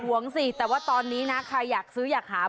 ห่วงสิแต่ว่าตอนนี้นะใครอยากซื้ออยากหา